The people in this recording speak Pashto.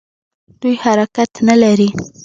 دوی حرکت نه لري.